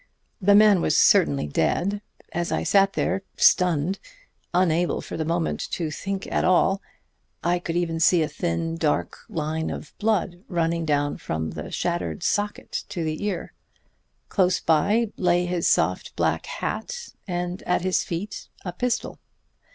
The man was certainly dead. As I sat there stunned, unable for the moment to think at all, I could even see a thin dark line of blood running down from the shattered socket to the ear. Close by lay his soft black hat, and at his feet a pistol.